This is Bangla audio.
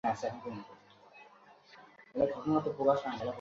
বিচারক অপসারণ-প্রক্রিয়ার ব্যাপারে চার আইনবিদের একটি সংক্ষিপ্ত বিবৃতি তাই যথেষ্ট নয়।